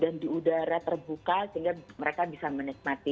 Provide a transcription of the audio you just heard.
dan di udara terbuka sehingga mereka bisa menikmati